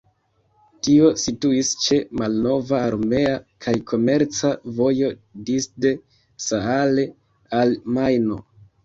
Tio situis ĉe malnova armea kaj komerca vojo disde Saale al Majno.